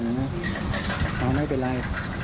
มันไม่เป็นไร